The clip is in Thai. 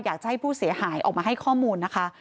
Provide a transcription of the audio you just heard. อยากจะให้ผู้เสียหายออกมาให้ข้อมูลนะคะ